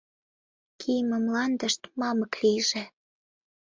Кийыме мландышт мамык лийже!..